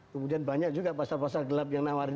kemudian banyak juga pasar pasar gelap yang nawarin